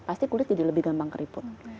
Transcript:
pasti kulit jadi lebih gampang keriput